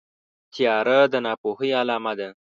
تیاره د ناپوهۍ علامه ده.